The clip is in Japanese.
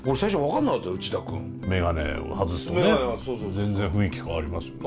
全然雰囲気変わりますよね。